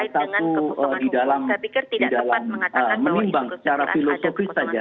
satu di dalam menimbang secara filosofis saja